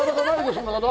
そんな事！